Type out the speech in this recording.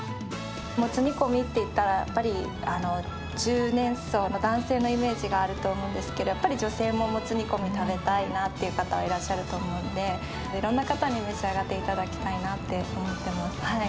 もつ煮込みっていったら、やっぱり中年層の男性のイメージがあると思うんですけど、やっぱり女性ももつ煮込み食べたいなっていう方はいらっしゃると思うんで、いろんな方に召し上がっていただきたいなって思ってます。